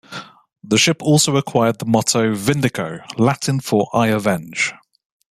The ship also acquired the motto "Vindico", Latin for "I Avenge".